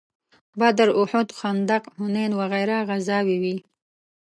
بدر، احد، خندق، حنین وغیره غزاوې وې.